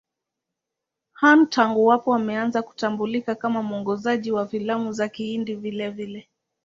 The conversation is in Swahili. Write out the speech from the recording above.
Khan tangu hapo ameanza kutambulika kama mwongozaji wa filamu za Kihindi vilevile.